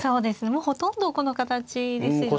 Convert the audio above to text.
もうほとんどこの形ですよね。